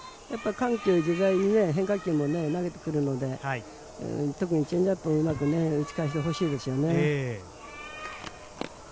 緩急自在に変化球も投げてくるので、チェンジアップもうまく打ち返してほしいですね。